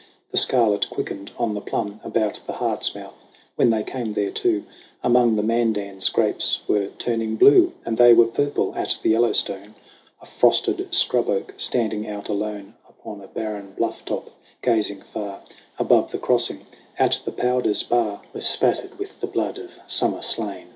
The scarlet quickened on the plum About the Heart's mouth when they came thereto ; Among the Mandans grapes were turning blue, And they were purple at the Yellowstone. A frosted scrub oak, standing out alone Upon a barren bluff top, gazing far Above the crossing at the Powder's bar, JAMIE 115 Was spattered with the blood of Summer slain.